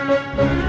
ya udah mbak